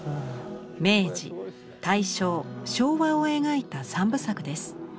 明治大正昭和を描いた三部作です。